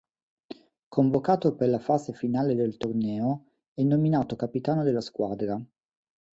Convocato per la fase finale del torneo, è nominato capitano della squadra.